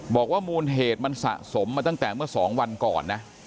มูลเหตุมันสะสมมาตั้งแต่เมื่อ๒วันก่อนนะ